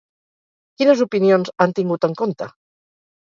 Quines opinions han tingut en compte?